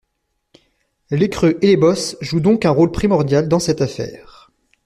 Les creux et les bosses jouent donc un rôle primordial dans cette affaire.